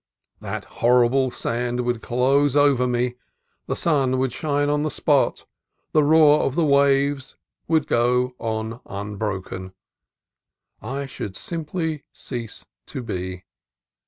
That horrible sand would close over me, the sun would shine on the spot, the roar of waves would go on unbroken; I should simply cease to be.